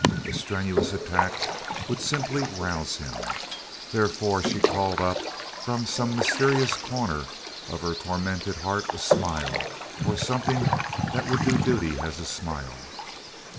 A strenuous attack would simply rouse him. Therefore she called up from some mysterious corner of her tormented heart a smile, or something that would do duty as a smile.